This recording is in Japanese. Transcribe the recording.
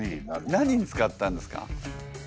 何に使ったんですか？